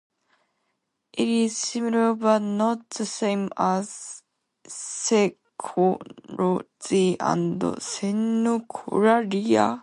It is similar, but not the same as, xenoglossy and xenolalia.